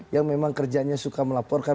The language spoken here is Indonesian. yang memang kerjanya suka melaporkan